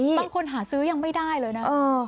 บางคนหาซื้อยังไม่ได้เลยนะ